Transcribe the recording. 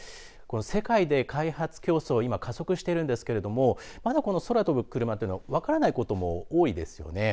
世界で開発競争今加速しているんですけどもまだこの空飛ぶクルマというのは分からないことも多いですよね。